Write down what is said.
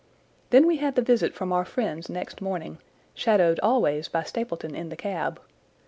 "Then we had the visit from our friends next morning, shadowed always by Stapleton in the cab.